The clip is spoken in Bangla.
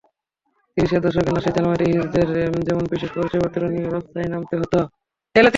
তিরিশের দশকে নাৎসি জার্মানিতে ইহুদিদের যেমন বিশেষ পরিচয়পত্র নিয়ে রাস্তায় নামতে হতো।